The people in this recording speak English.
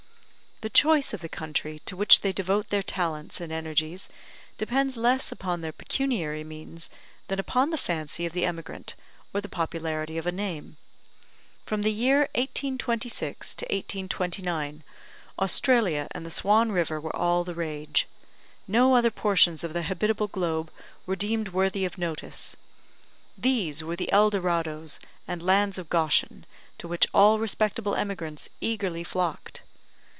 The choice of the country to which they devote their talents and energies depends less upon their pecuniary means than upon the fancy of the emigrant or the popularity of a name. From the year 1826 to 1829, Australia and the Swan River were all the rage. No other portions of the habitable globe were deemed worthy of notice. These were the El Dorados and lands of Goshen to which all respectable emigrants eagerly flocked.